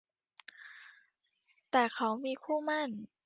แต่เขามีคู่หมั้น